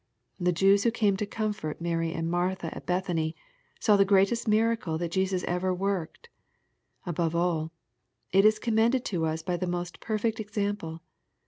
The Jews who came to comfort Mary and Martha at Bethany, saw the greatest miracle that Jesus ever worked. — ^Above all, it is commended to us by the most perfect example.